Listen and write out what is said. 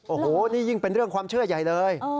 โอ้โหนี่ยิ่งเป็นเรื่องความเชื่อใหญ่เลย